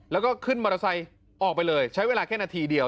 แล้วก็ขึ้นมอเตอร์ไซค์ออกไปเลยใช้เวลาแค่นาทีเดียว